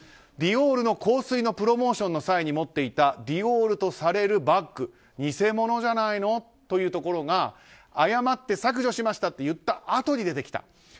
ディオールの香水のプロモーションの際に持っていたディオールとされるバッグ偽物じゃないのとされるところが謝って削除しましたと言ったあとに出てきた。